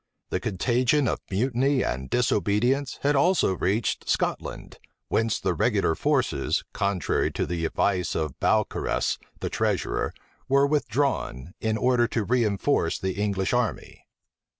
The contagion of mutiny and disobedience had also reached Scotland, whence the regular forces, contrary to the advice of Balcarras the treasurer, were withdrawn, in order to reënforce the English army.